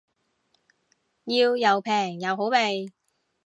要又平又好味